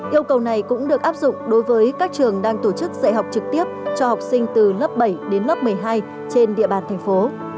yêu cầu này cũng được áp dụng đối với các trường đang tổ chức dạy học trực tiếp cho học sinh từ lớp bảy đến lớp một mươi hai trên địa bàn thành phố